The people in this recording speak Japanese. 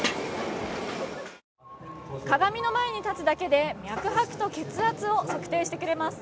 鏡の前に立つだけで脈拍と血圧を測定してくれます。